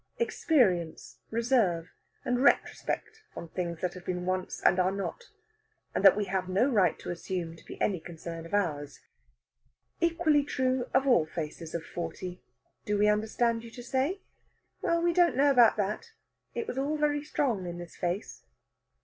experience, reserve, and retrospect on things that have been once and are not, and that we have no right to assume to be any concern of ours. Equally true of all faces of forty, do we understand you to say? Well, we don't know about that. It was all very strong in this face.